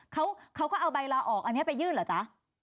เขาก็เอาใบลาออกอันนี้ไปยื่นเหรอจ๊ะ